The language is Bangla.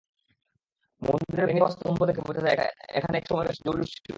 মন্দিরের ভেঙে যাওয়া স্তম্ভ দেখে বোঝা যায় এখানে একসময় বেশ জৌলুশ ছিল।